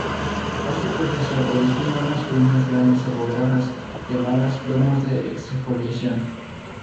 Este proceso origina unas colinas grandes abovedadas, llamadas domos de exfoliación.